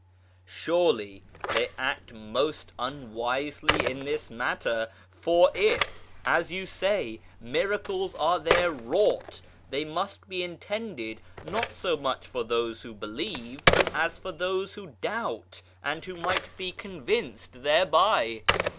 Surely they act most unwisely in this matter ; for if, as you say, miracles are there wrought, they must be intended not so much for those who believe as for those who doubt, and wlio might be convinced thereby."